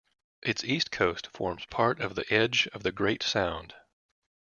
Its east coast forms part of the edge of the Great Sound.